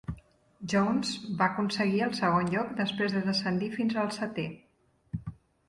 Jones va aconseguir el segon lloc després de descendir fins al setè.